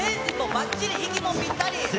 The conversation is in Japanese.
ばっちり、息もぴったり。